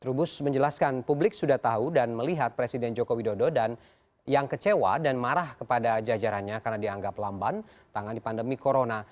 trubus menjelaskan publik sudah tahu dan melihat presiden joko widodo dan yang kecewa dan marah kepada jajarannya karena dianggap lamban tangani pandemi corona